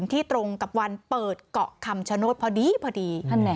ที่ตรงกับวันเปิดเกาะคำชะโน้ดพอดี